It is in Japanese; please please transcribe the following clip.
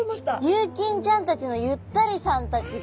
琉金ちゃんたちのゆったりさんたちが。